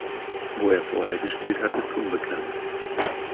Wo er vorher gespielt hat ist unbekannt.